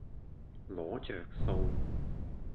攞著數